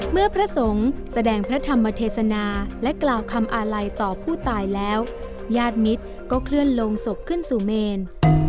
พระสงฆ์แสดงพระธรรมเทศนาและกล่าวคำอาลัยต่อผู้ตายแล้วญาติมิตรก็เคลื่อนลงศพขึ้นสู่เมน